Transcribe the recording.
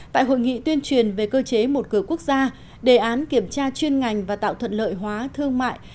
tại hội nghị tuyên truyền về cơ chế một cửa quốc gia đề án kiểm tra chuyên ngành và tạo thuận lợi hóa thương mại